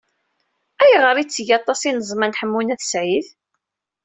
Ayɣer itteg aṭas ineẓman Ḥemmu n At Sɛid?